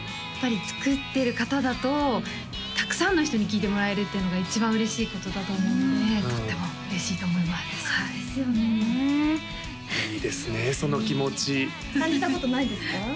やっぱり作ってる方だとたくさんの人に聴いてもらえるっていうのが一番嬉しいことだと思うのでとっても嬉しいと思いますそうですよねいいですね